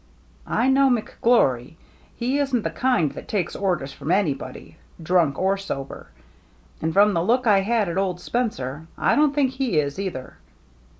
" I know McGlory. He isn't the kind that takes orders from anybody, drunk or sober. And from the look I had at old Spencer, I don't think he is either.